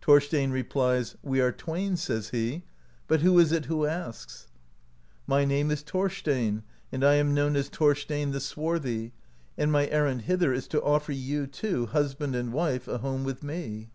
Thorstein replies: "We are twain/' says he; "but who is it who asks? "My name is Thorstein, and I am known as Thorstein the Swarthy, and my errand hither is to offer you two, husband and wife, a home with me.'